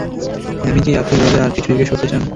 মিমি জি, আপনি উনাদের আর কিছু জিজ্ঞেস করতে চান?